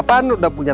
terus tidak mau